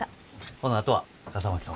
ほなあとは笠巻さん